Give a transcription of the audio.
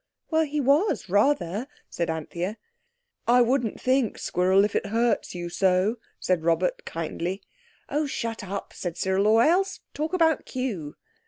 "Well, he was, rather," said Anthea. "I wouldn't think, Squirrel, if it hurts you so," said Robert kindly. "Oh, shut up," said Cyril, "or else talk about Kew."